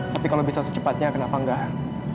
tapi kalau bisa secepatnya kenapa enggak